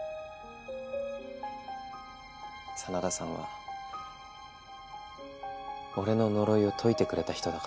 真田さんは俺の呪いを解いてくれた人だから。